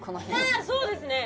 ああそうですね！